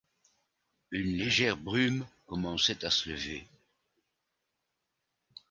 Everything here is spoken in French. Une légère brume commençait à se lever.